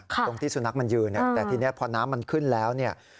ตรงที่สุนัขมันยืนแต่ทีนี้พอน้ำมันขึ้นแล้วเนี่ย